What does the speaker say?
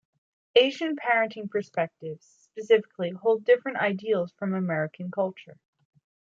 Asian parenting perspectives, specifically, hold different ideals from American culture.